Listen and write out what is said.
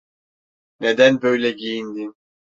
Neden böyle giyindin?